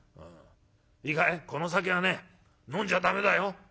『いいかいこの酒はね飲んじゃ駄目だよ』。